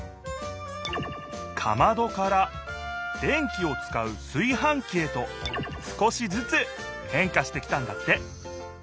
かまどから電気をつかうすいはんきへと少しずつ変化してきたんだって